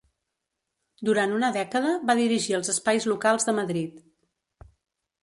Durant una dècada va dirigir els espais locals de Madrid.